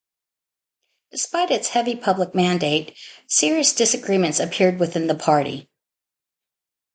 Despite its heavy public mandate, serious disagreements appeared within the party.